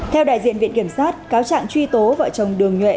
theo đại diện viện kiểm sát cáo trạng truy tố vợ chồng đường nhuệ